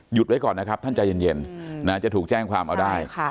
ไว้ก่อนนะครับท่านใจเย็นจะถูกแจ้งความเอาได้